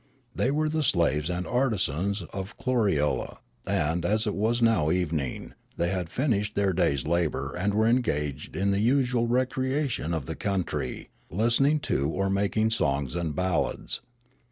They were the slaves and artisans of Kloriole ; and, as it was now evening, the}' had finished their day's labour and were engaged in the usual recreation of the countr)', listening to or making songs and ballads.